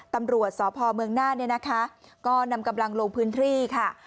ตำรวจสพเมืองน่านเนี่ยนะคะก็นำกำลังลงพื้นที่ค่ะ